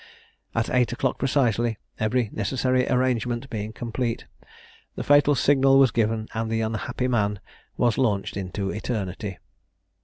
At eight o'clock precisely, every necessary arrangement being complete, the fatal signal was given, and the unhappy man was launched into eternity.